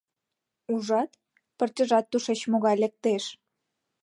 Ужат, пырчыжат тушеч могай лектеш.